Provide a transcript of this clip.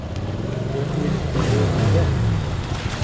Yak wid n tayri-w ɛeddan.